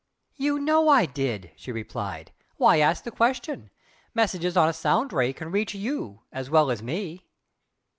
"You know I did!" she replied "Why ask the question? Messages on a Sound Ray can reach YOU, as well as me!"